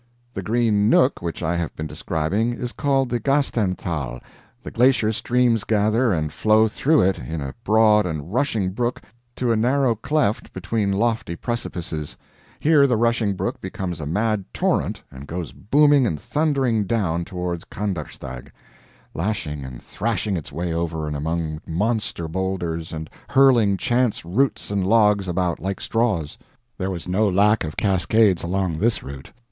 The green nook which I have been describing is called the Gasternthal. The glacier streams gather and flow through it in a broad and rushing brook to a narrow cleft between lofty precipices; here the rushing brook becomes a mad torrent and goes booming and thundering down toward Kandersteg, lashing and thrashing its way over and among monster boulders, and hurling chance roots and logs about like straws. There was no lack of cascades along this route.